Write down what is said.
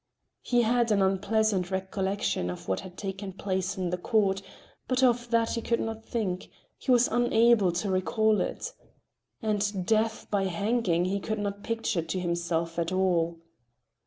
He had an unpleasant recollection of what had taken place in the court, but of that he could not think—he was unable to recall it. And death by hanging he could not picture to himself at all.